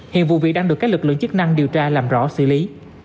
hiện vụ việc đang được các lực lượng chức năng điều tra làm rõ xử lý